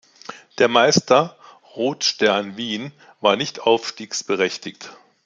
Der Meister, Rot Stern Wien, war nicht aufstiegsberechtigt.